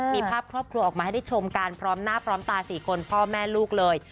มีภาพครอบครัวออกมาให้ได้ชมกันพร้อมหน้าพร้อมตา๔คนพ่อแม่ลูกเลย